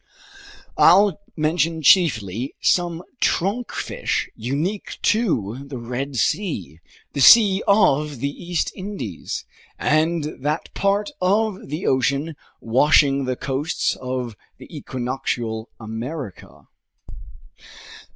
I'll mention chiefly some trunkfish unique to the Red Sea, the sea of the East Indies, and that part of the ocean washing the coasts of equinoctial America.